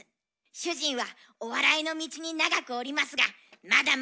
主人はお笑いの道に長くおりますがまだまだ道半ば。